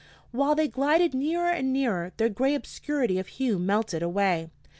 While they glided nearer and nearer, their gray obscurity of hue melted away.